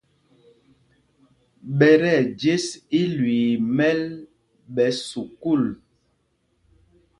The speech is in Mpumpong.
Ɓɛ tí ɛjes ilüii í mɛ́l ɓɛ sukûl.